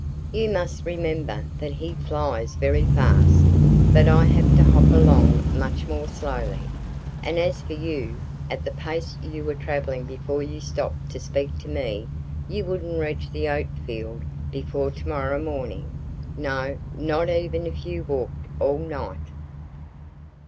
"You must remember that he flies very fast. But I have to hop along much more slowly. And as for you, at the pace you were travelling before you stopped to speak to me you wouldn't reach the oat field before to morrow morning! No not even if you walked all night!"